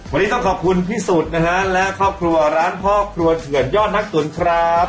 วันนี้ต้องขอบคุณพี่สุดนะฮะและครอบครัวร้านพ่อครัวเถื่อนยอดนักตุ๋นครับ